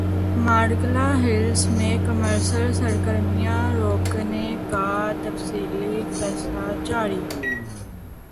Margalla Hills میں commercial سرگرمیاں روکنے کا تفصیلی فیصلہ جاری